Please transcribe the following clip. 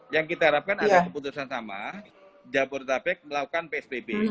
yang kita harapkan ada keputusan sama jabodetabek melakukan psbb